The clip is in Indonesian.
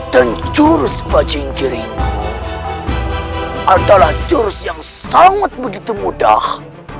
dan jurus bajing kiringku adalah jurus yang sangat begitu mudah